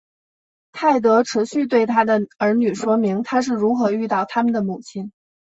泰德持续对他的儿女说明他是如何遇到他们的母亲。